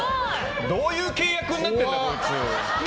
どういう契約になってんだこいつ。